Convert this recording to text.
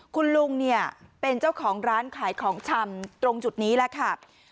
คุณลุงเนี่ยเป็นเจ้าของร้านขายของชำตรงจุดนี้แหละค่ะ